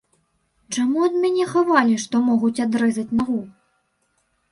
Чаму ад мяне хавалі, што могуць адрэзаць нагу?